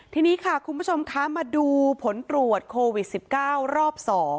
ทีนี้ค่ะคุณผู้ชมคะมาดูผลตรวจโควิด๑๙รอบ๒